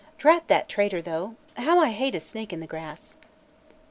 "Drat that traitor, though! How I hate a snake in the grass."